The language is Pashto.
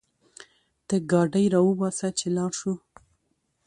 ته ګاډی راوباسه چې لاړ شو